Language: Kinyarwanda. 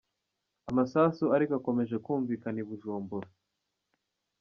Amasasu ariko akomeje kumvikana i Bujumbura.